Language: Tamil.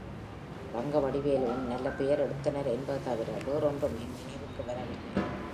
ரங்கவடிவேலுவும் நல்ல பெயர் எடுத்தனர் என்பது தவிர வேறொன்றும் என் நினைவுக்கு வரவில்லை.